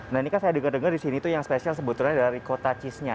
nah ini kan saya dengar dengar di sini tuh yang spesial sebetulnya dari kota cheese nya